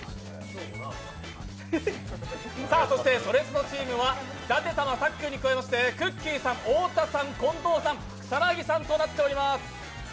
そして、「それスノ」チームは舘様、さっくんに加えまして、くっきー！さん、太田さん、近藤さん、草薙さんとなっています